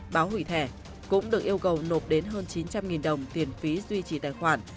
báo hủy thẻ cũng được yêu cầu nộp đến hơn chín trăm linh đồng tiền phí duy trì tài khoản